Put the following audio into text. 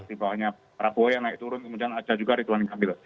dibawahnya prabowo yang naik turun kemudian ada juga ridwan ngambil